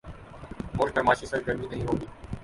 ملک میں معاشی سرگرمی نہیں ہو گی۔